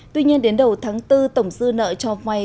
tuy nhiên đến đầu tháng bốn tổng sư nợ cho quay